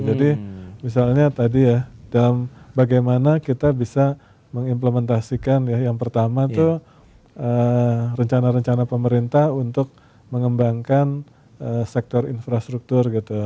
jadi misalnya tadi ya dalam bagaimana kita bisa mengimplementasikan ya yang pertama tuh rencana rencana pemerintah untuk mengembangkan sektor infrastruktur gitu